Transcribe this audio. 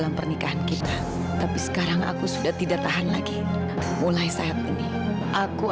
apa benar zahira adalah anak aku